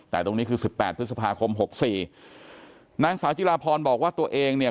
แต่ตรงนี้คือ๑๘พฤษภาคม๖๔นางสาวจิราพรบอกว่าตัวเองเนี่ย